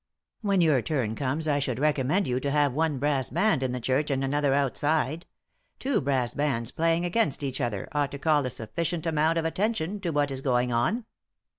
"When your turn comes I should recommend yon to have one brass band in the church and another outside ; two brass bands playing against each other ought to call a sufficient amount of attention to what is going on."